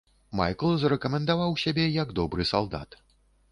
Майкл зарэкамендаваў сябе як добры салдат.